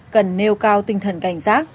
cần nêu cao tinh thần cảnh sát